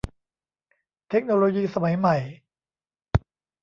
เทคโนโลยีสมัยใหม่